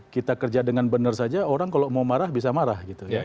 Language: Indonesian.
kita kerja dengan benar saja orang kalau mau marah bisa marah gitu ya